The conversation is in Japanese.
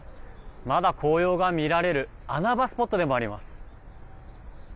まだ紅葉が見られる穴場スポットでもあります。